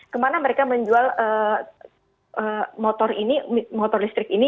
kemana mereka menjual motor listrik ini